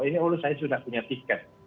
ini allah saya sudah punya tiket